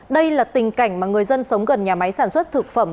đây là tình cảnh mà người dân sống gần nhà máy sản xuất thực phẩm